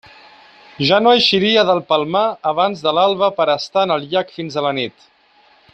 Ja no eixiria del Palmar abans de l'alba per a estar en el llac fins a la nit.